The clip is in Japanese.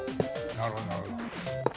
なるほどなるほど。